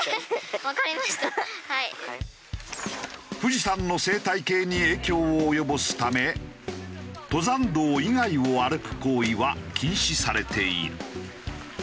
富士山の生態系に影響を及ぼすため登山道以外を歩く行為は禁止されている。